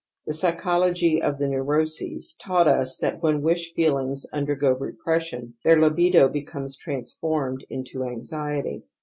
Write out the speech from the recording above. The psychology of the neuroses taught us thatf when wish feelings imdei> go repression their Ubido becomes transformed into anxiety.